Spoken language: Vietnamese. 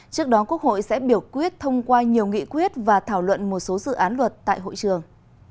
trước đó quốc hội sẽ biểu quyết thông qua nhiều nghị quyết và thảo luận một số dự án luật tại hội trường